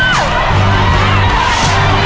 จ้างอีกจ้างหนึ่งผู้